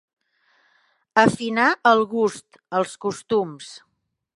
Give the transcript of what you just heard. Afinar el gust, els costums.